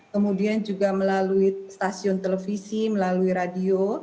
kemudian juga melalui stasiun televisi melalui radio